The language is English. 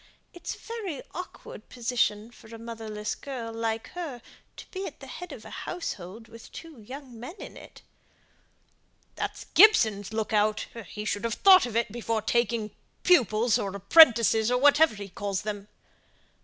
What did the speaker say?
It's a very awkward position for a motherless girl like her to be at the head of a household with two young men in it." "That's Gibson's look out; he should have thought of it before taking pupils, or apprentices, or whatever he calls them."